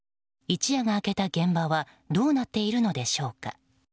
一夜が明けた現場はどうなっているのでしょうか。